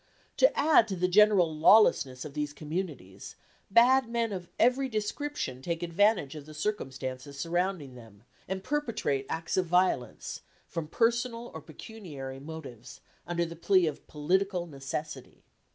To add to the general lawlessness of these communities, bad men of every description take advantage of the circumstances surrounding them, and perpetrate acts of violence, from personal or pecuniary motives, under the plea of political necessity."